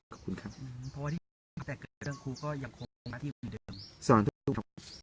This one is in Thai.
ขอบคุณครับพอที่แต่เกิดเรื่องครูก็ยังคงที่เหมือนเดิมสอนทุกคน